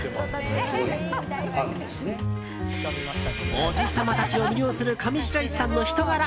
おじ様たちを魅了する上白石さんの人柄。